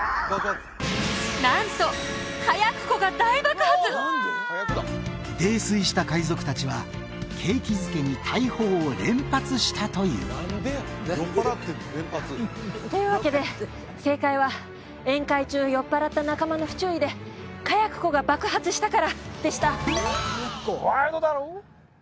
なんと泥酔した海賊達は景気づけに大砲を連発したというというわけで正解は宴会中酔っぱらった仲間の不注意で火薬庫が爆発したからでしたワイルドだろう？